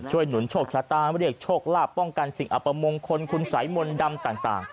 ช่วยหนุนโชคสตาร์และเยอร์ชกระป้องกันสิ่งอัปมงค์คนคุณสายมนต์ดำต่าง